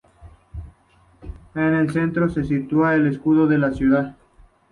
En el centro se sitúa el escudo de la ciudad.